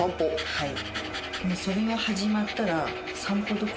はい。